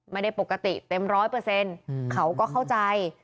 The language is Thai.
ไม่ได้ปกติเต็มร้อยเปอร์เซ็นต์เขาก็เข้าใจ